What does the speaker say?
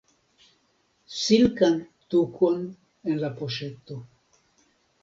Silkan tukon en la poŝeto.